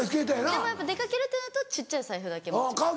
でもやっぱ出掛けるとなると小っちゃい財布だけ持ちます。